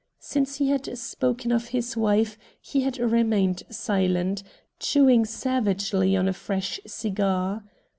Since he had spoken of his wife he had remained silent, chewing savagely on a fresh cigar.